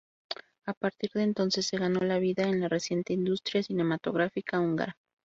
A partir de entonces se ganó la vida en la reciente industria cinematográfica húngara.